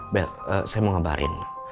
bel saya mau ngebarin